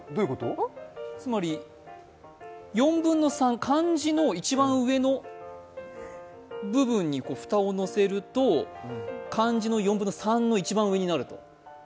つまり漢字の一番上の部分に蓋を乗せると漢字の４分の３の一番上になると。